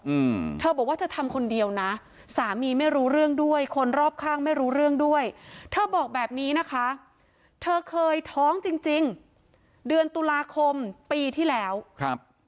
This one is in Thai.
อืมเธอบอกว่าเธอทำคนเดียวนะสามีไม่รู้เรื่องด้วยคนรอบข้างไม่รู้เรื่องด้วยเธอบอกแบบนี้นะคะเธอเคยท้องจริงจริงเดือนตุลาคมปีที่แล้วครับ